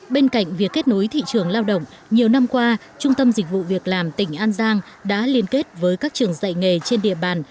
bên cạnh việc kết nối thị trường lao động nhiều năm qua trung tâm dịch vụ việc làm tỉnh an giang đã liên kết với các trường dạy nghề trên địa bàn